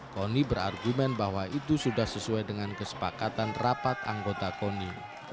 koni berargumen bahwa itu sudah sesuai dengan kesepakatan rapat anggota koni